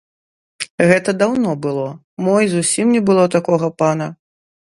Гэта даўно было, мо і зусім не было такога пана.